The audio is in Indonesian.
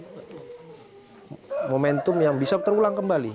memang itu adalah momentum yang bisa terulang kembali